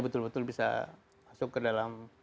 betul betul bisa masuk ke dalam